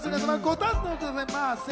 ご堪能くださいませ。